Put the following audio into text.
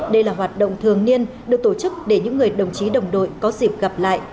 đây là hoạt động thường niên được tổ chức để những người đồng chí đồng đội có dịp gặp lại